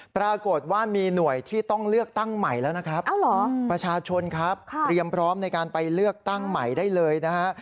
ปรากฏว่ามีหน่วยที่ต้องเลือกตั้งใหม่แล้วนะครับประชาชนครับเตรียมพร้อมในการไปเลือกตั้งใหม่ได้เลยนะฮะ